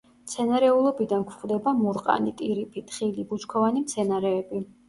მცენარეულობიდან გვხვდება მურყანი, ტირიფი, თხილი, ბუჩქოვანი მცენარეები.